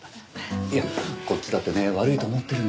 いやこっちだってね悪いと思ってるんですよ。